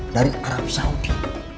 dari arab saudi